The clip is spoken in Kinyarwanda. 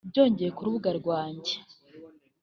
byongeye ku rubuga rwanjye